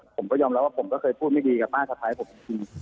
ผมก็ยอมรับว่าผมก็เคยพูดไม่ดีกับป้าสะพ้ายผมจริง